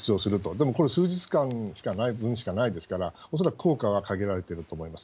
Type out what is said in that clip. でもこれ、数日間分しかないですから、恐らく効果は限られてると思います。